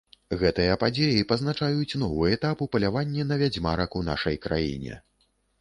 Гэтыя падзеі пазначаюць новы этап у паляванні на вядзьмарак у нашай краіне.